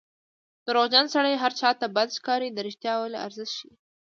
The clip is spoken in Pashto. دروغجن سړی هر چا ته بد ښکاري د رښتیا ویلو ارزښت ښيي